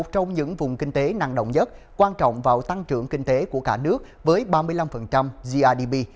trong những vùng kinh tế năng động nhất quan trọng vào tăng trưởng kinh tế của cả nước với ba mươi năm grdp